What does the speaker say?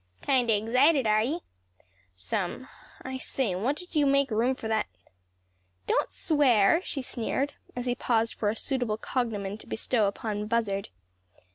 "Kind o' eggzited are ye?" "Some. I say, what did you make room for that " "Don't swear;" she sneered, as he paused for a suitable cognomen to bestow upon Buzzard.